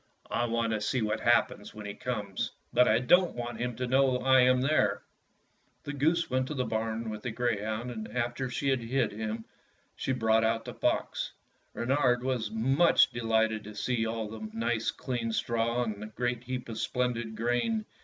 I want to see what happens when he comes, but I don't want him to know that I am there." The goose went to the barn with* the grey hound, and after she had him hid she brought the fox. Reynard was much delighted to see all the nice clean straw and the great heap of splendid grain.